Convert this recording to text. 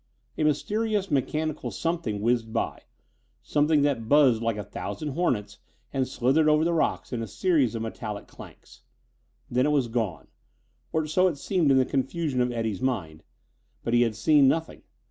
A mysterious mechanical something whizzed past; something that buzzed like a thousand hornets and slithered over the rocks in a series of metallic clanks. Then it was gone or so it seemed in the confusion of Eddie's mind; but he had seen nothing.